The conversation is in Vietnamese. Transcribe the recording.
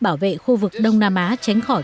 bảo vệ khu vực đông nam á tránh khỏi